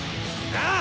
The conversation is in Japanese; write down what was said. なあ！